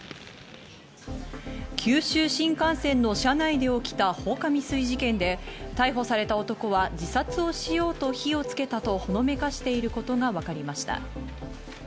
九州新幹線の車内で起きた放火未遂事件で逮捕された男は自殺をしようと火をつけたとほのめかしていることがわかりました。